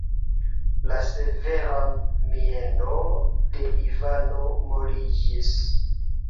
La severa mieno de Ivano moliĝis.